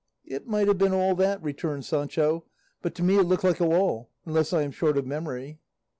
"It might have been all that," returned Sancho, "but to me it looked like a wall, unless I am short of memory."